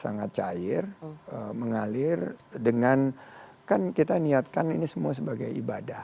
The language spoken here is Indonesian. sangat cair mengalir dengan kan kita niatkan ini semua sebagai ibadah